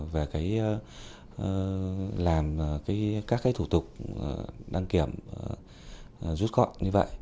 về cái làm các cái thủ tục đăng kiểm rút gọn như vậy